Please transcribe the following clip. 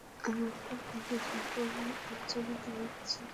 আমারটা বাদে সকল আলোচনা তোমার কাছে জরুরি।